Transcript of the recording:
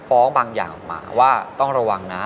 บางอย่างออกมาว่าต้องระวังนะ